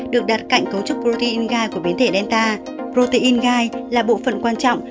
được đặt cạnh cấu trúc protein gai của biến thể delta protein gai là bộ phận quan trọng